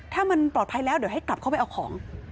ถ้ามันปลอดภัยแล้วเดี๋ยวให้กลับเข้าไปเอาของ